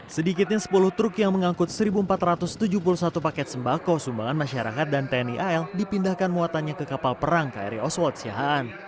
sedikitnya sepuluh truk yang mengangkut satu empat ratus tujuh puluh satu paket sembako sumbangan masyarakat dan tni al dipindahkan muatannya ke kapal perang kri oswald siahaan